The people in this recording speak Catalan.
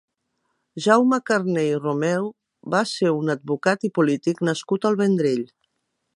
Jaume Carner i Romeu va ser un advocat i polític nascut al Vendrell.